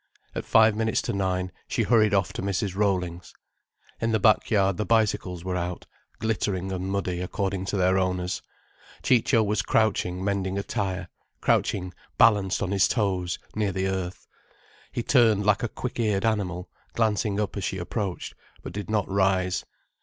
At five minutes to nine, she hurried off to Mrs. Rollings. In the back yard the bicycles were out, glittering and muddy according to their owners. Ciccio was crouching mending a tire, crouching balanced on his toes, near the earth. He turned like a quick eared animal glancing up as she approached, but did not rise.